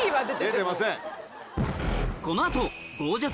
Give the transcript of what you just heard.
出てません。